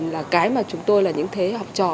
là cái mà chúng tôi là những thế hệ học trò